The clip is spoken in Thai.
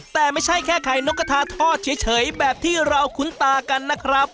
แต่ไม่ใช่แค่ไข่นกกระทาทอดเฉยแบบที่เราคุ้นตากันนะครับ